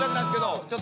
ちょっと。